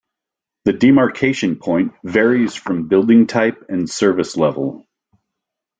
The demarcation point varies from building type and service level.